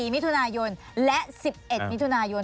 มิถุนายนและ๑๑มิถุนายน